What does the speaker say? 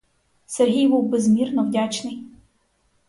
Сергій був безмірно вдячний.